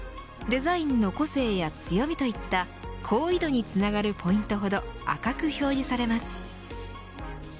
デザインの個性や強みといった好意度につながるポイントほど赤く表示されます。